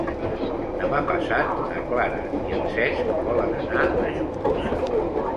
Demà passat na Clara i en Cesc volen anar a Juncosa.